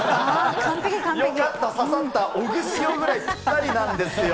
よかった、刺さった、オグシオぐらいぴったりなんですよ。